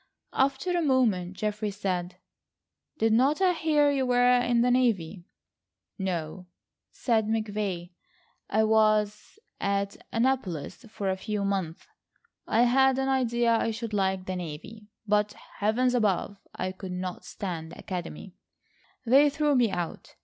After a moment Geoffrey said: "Did not I hear you were in the navy?" "No," said McVay. "I was at Annapolis for a few months. I had an idea I should like the navy, but Heavens above! I could not stand the Academy. They threw me out.